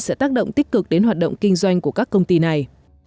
sẽ tác động tích cực đến hoạt động kinh doanh của các công ty này